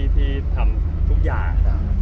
ที่ทำทุกอย่าง